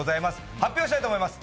発表したいと思います。